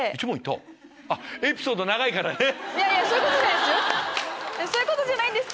いやそういうことじゃないです。